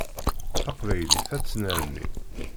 Taqbaylit ad tennerni.